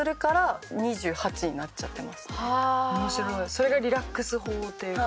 それがリラックス法というか。